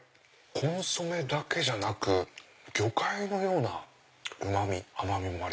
コンソメだけじゃなく魚介のようなうま味甘味も。